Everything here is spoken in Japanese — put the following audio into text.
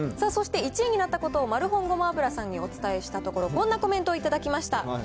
そして１位になったことを、マルホン胡麻油さんにお伝えしたところ、こんなコメントを頂きました。